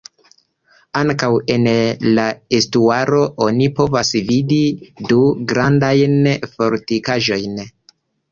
Ankaŭ en la estuaro oni povas vidi du grandajn fortikaĵojn.